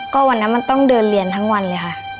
ก็วันนั้นมันต้องเดินเรียนทั้งวันเลยค่ะ